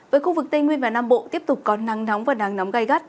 với khu vực tây nguyên và nam bộ tiếp tục có nắng nóng và nắng nóng gai gắt